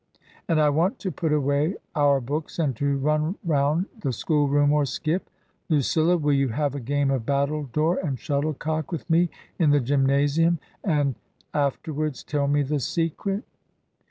And I want to put away our books and to run round the school room or skip. Lu cilla, will you have a game of battledore and shuttlecock with me in the gymnasium and — afterwards tell me the secret